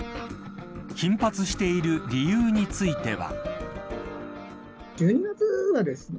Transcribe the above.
頻発している理由については。